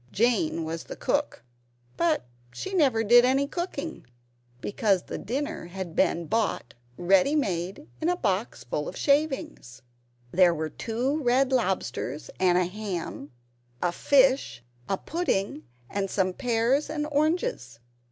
Jane was the Cook; but she never did any cooking, because the dinner had been bought ready made, in a box full of shavings. There were two red lobsters and a ham, a fish, a pudding, and some pears and oranges.